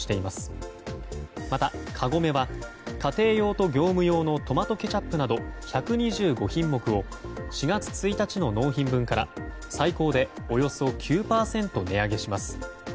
また、カゴメは家庭用と業務用のトマトケチャップなど１２５品目を４月１日の納品分から最高でおよそ９％値上げします。